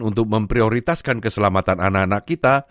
untuk memprioritaskan keselamatan anak anak kita